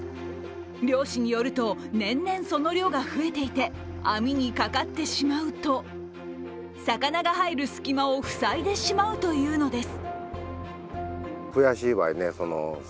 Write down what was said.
漁師によると、年々、その量が増えていて網にかかってしまうと魚が入る隙間を塞いでしまうというのです。